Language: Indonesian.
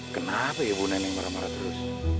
kenapa ibu neneng marah marah terus